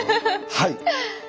はい。